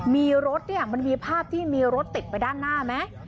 มีรถเนี่ยมันมีภาพที่มีรถติดไปด้านหน้าไหม